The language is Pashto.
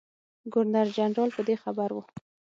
ګورنر جنرال په دې خبر وو.